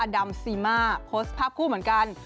ดำซีมาโพสต์ภาพคู่เหมือนกัน